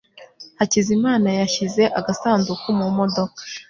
hakizamana yashyize agasanduku mu modoka.